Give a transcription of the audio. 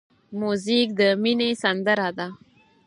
موزیک د مینې سندره ده.